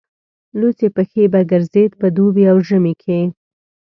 لوڅې پښې به ګرځېد په دوبي او ژمي کې.